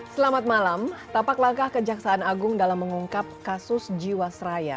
selamat malam tapak langkah kejaksaan agung dalam mengungkap kasus jiwasraya